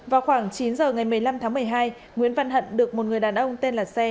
vào khoảng chín giờ ngày một mươi năm tháng một mươi hai nguyễn văn hận được một người đàn ông tên là xe